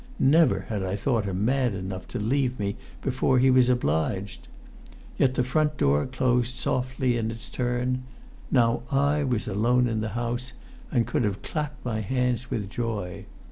Never had I thought him mad enough to leave me before he was obliged. Yet the front door closed softly in its turn; now I was alone in the house, and could have clapped my hands with joy.